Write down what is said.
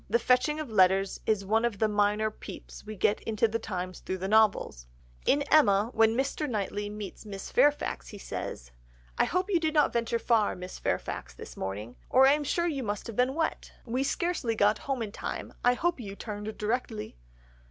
The fetching of letters is one of the minor peeps we get into the times through the novels. In Emma, when Mr. Knightley meets Miss Fairfax he says— "'I hope you did not venture far, Miss Fairfax, this morning, or I am sure you must have been wet. We scarcely got home in time. I hope you turned directly!